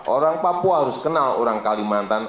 orang papua harus kenal orang kalimantan